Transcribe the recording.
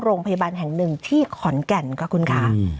โรงพยาบาลแห่งหนึ่งที่ขอนแก่นค่ะคุณค่ะ